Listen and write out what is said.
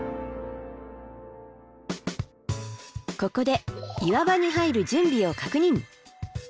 ここで岩場に入る準備を確認！